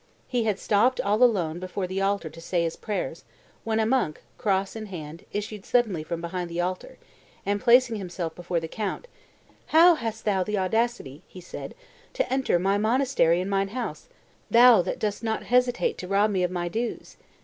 He had stopped all alone before the altar to say his prayers, when a monk, cross in hand, issued suddenly from behind the altar, and, placing himself before the count, "How hast thou the audacity," said he, "to enter my monastery and mine house, thou that dost not hesitate to rob me of my dues?"